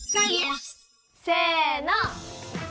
せの！